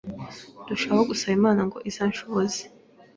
ndushaho gusaba Imana ngo izanshoboze,